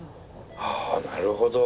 はあなるほど。